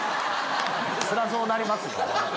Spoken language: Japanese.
そらそうなりますよ。